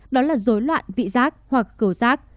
đó là dối loạn vị giác hoặc cổ giác